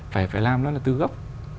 phải làm nó là tư gốc